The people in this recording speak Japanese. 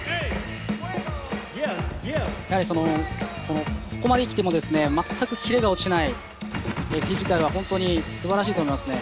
やはりその、ここまで来ても全くキレが落ちてないフィジカルは本当にすばらしいと思いますね